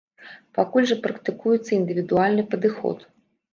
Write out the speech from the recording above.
Пакуль жа практыкуецца індывідуальны падыход.